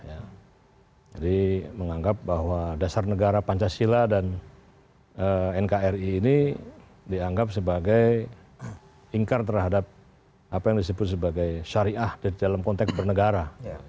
jadi menganggap bahwa dasar negara pancasila dan nkri ini dianggap sebagai ingkar terhadap apa yang disebut sebagai syariah dalam konteks bernegara